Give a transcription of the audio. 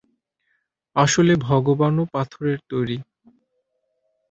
আসলে, ভগবানও পাথরের তৈরি।